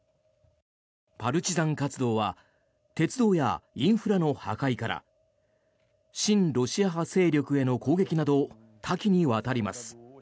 パルチザン活動は鉄道やインフラの破壊から親ロシア派勢力への攻撃など多岐にわたります。